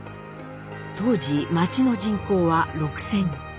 当時町の人口は６，０００。